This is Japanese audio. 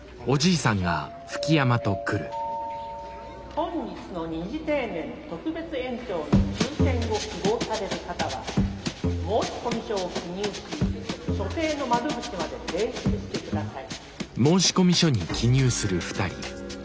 「本日の二次定年特別延長の抽選を希望される方は申込書を記入し所定の窓口まで提出して下さい」。